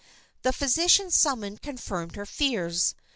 The physician summoned confirmed her fears.